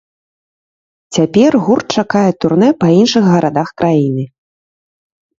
Цяпер гурт чакае турнэ па іншых гарадах краіны.